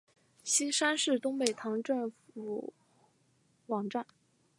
锡山区东北塘镇政府网站